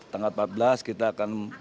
tanggal empat belas kita akan